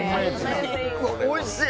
おいしい。